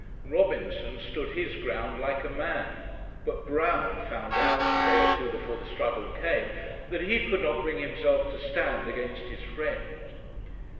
Robinson stood his ground like a man; but Brown found out, a day or two before the struggle came, that he could not bring himself to stand against his friend.